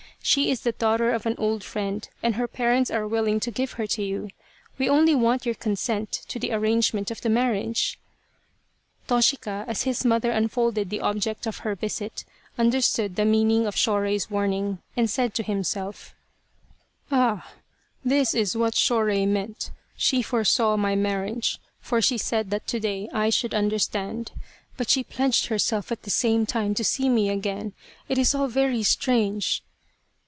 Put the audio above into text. She is the daughter of an old friend, and her parents are willing to give her to you. We only want your consent to the arrangement of the mar riage." Toshika, as his mother unfolded the object of her visit, understood the meaning of Shorei's warning, and said to himself :" Ah, this is what Shorei meant she foresaw my marriage, for she said that to day I should understand ; but she pledged herself at the same time to see me again it is all very strange